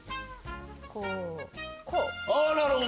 こう！